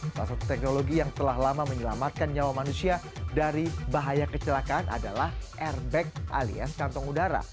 salah satu teknologi yang telah lama menyelamatkan nyawa manusia dari bahaya kecelakaan adalah airbag alias kantong udara